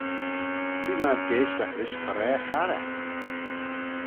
T'eh myr geaishtagh rish coraa charrey.